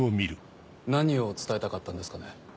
何を伝えたかったんですかね。